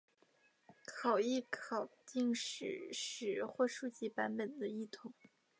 考异考订史实或书籍版本的异同。